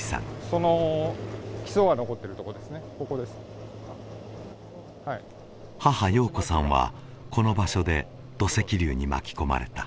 ここはい母陽子さんはこの場所で土石流に巻き込まれた